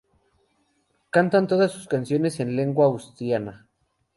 Cantan todas sus canciones en lengua asturiana.